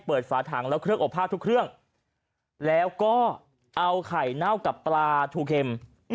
เปิดฝาถังแล้วเคลือกออกผ้าทุกเครื่องแล้วก็เอาไข่เหน่ากับปลาถูเข้ม